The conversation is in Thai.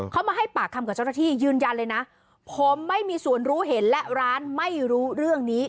เขามาให้ปากคำกับเจ้าหน้าที่ยืนยันเลยนะผมไม่มีส่วนรู้เห็นและร้านไม่รู้เรื่องนี้